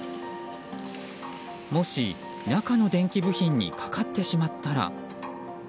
もし、中の電気部品にかかってしまったら。